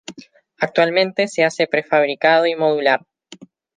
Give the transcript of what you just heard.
Actualmente se hace prefabricado y modular.